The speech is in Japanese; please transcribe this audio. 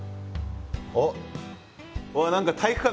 おっ！